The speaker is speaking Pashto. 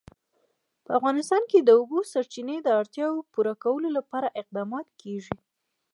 په افغانستان کې د د اوبو سرچینې د اړتیاوو پوره کولو لپاره اقدامات کېږي.